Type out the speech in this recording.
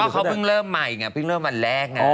เขาเพิ่งเริ่มใหม่ไงเพิ่งเริ่มวันแรกไง